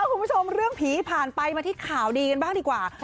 คุณผู้ชมเรื่องผีผ่านไปมาที่ข่าวดีกันบ้างดีกว่า